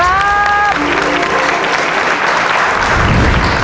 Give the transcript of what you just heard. ๕๐๐๐บาทครับ